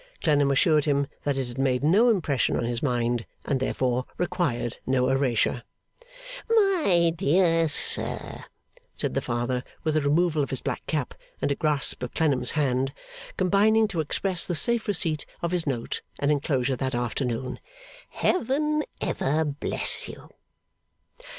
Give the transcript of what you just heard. Clennam assured him that it had made no impression on his mind, and therefore required no erasure. 'My dear sir,' said the Father, with a removal of his black cap and a grasp of Clennam's hand, combining to express the safe receipt of his note and enclosure that afternoon, 'Heaven ever bless you!